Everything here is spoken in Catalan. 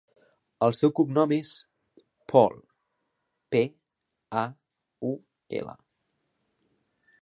El seu cognom és Paul: pe, a, u, ela.